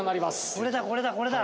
これだこれだこれだ。